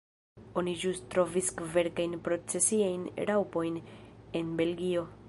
Oni ĵus trovis kverkajn procesiajn raŭpojn en Belgio.